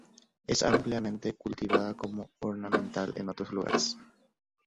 Es ampliamente cultivada como ornamental en otros lugares.